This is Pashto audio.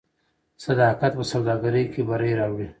صداقت په سوداګرۍ کې بری راوړي.